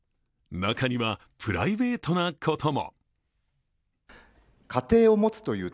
中にはプライベートなことも。